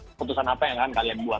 keputusan apa yang akan kalian buat